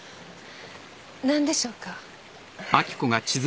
何でしょうか。